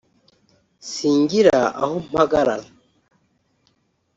Si ngira aho mpagarara